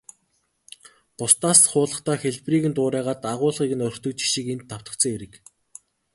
Бусдаас хуулахдаа хэлбэрийг нь дуурайгаад, агуулгыг нь орхидог жишиг энд давтагдсан хэрэг.